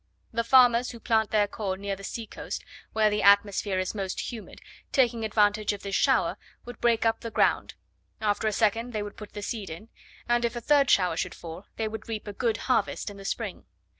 The farmers, who plant corn near the sea coast where the atmosphere is most humid, taking advantage of this shower, would break up the ground; after a second they would put the seed in; and if a third shower should fall, they would reap a good harvest in the spring.